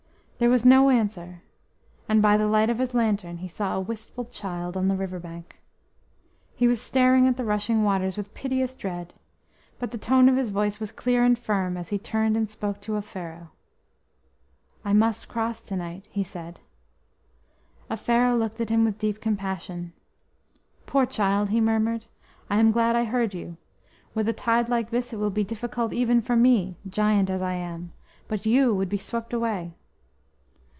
There was no answer, and by the light of his lantern he saw a wistful child on the river bank. He was staring at the rushing waters with piteous dread, but the tone of his voice was clear and firm as he turned and spoke to Offero. "I must cross to night," he said. Offero looked at him with deep compassion. "Poor child!" he murmured, "I am glad I heard you. With a tide like this it will be difficult even for me, giant as I am, but you would be swept away."